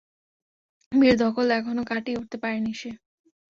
বিয়ের ধকল এখনও কাটিয়ে উঠতে পারেনি সে!